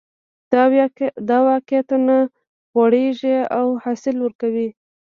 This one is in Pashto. دا واقعیتونه غوړېږي او حاصل ورکوي